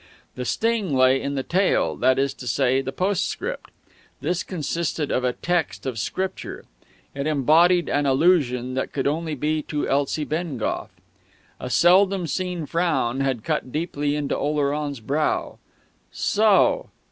The sting lay in the tail, that is to say, the postscript. This consisted of a text of Scripture. It embodied an allusion that could only be to Elsie Bengough.... A seldom seen frown had cut deeply into Oleron's brow. So!